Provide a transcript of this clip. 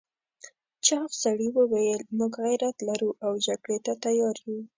چاغ سړي وویل موږ غيرت لرو او جګړې ته تيار یو.